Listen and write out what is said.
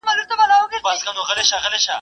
د امربالمعروف کسان زموږ د سمون لپاره رښتیا وایي.